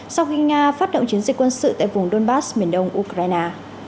sau khi nga phát động chiến dịch quân sự tại vùng donbass miền đông ukraine